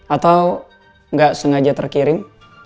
atau nggak sengaja terkirim